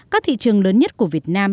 các thị trường lớn nhất của việt nam